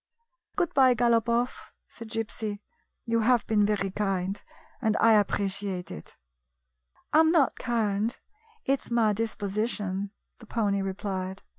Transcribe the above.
"Good bye, Galopoff," said Gypsy. "You have been very kind, and I appreciate it." " I 'm not kind ; it 's my disposition," the pony replied.